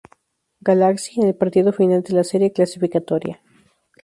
Galaxy, en el partido final de la serie clasificatoria.